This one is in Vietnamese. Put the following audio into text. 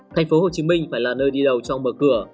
thành phố hồ chí minh phải là nơi đi đầu trong mở cửa